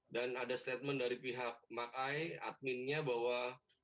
dan ada statement dari pihak mark ai adminnya bahwa